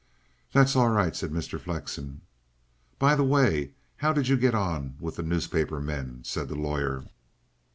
"That's all right," said Mr. Flexen. "By the way, how did you get on with the newspaper men?" said the lawyer.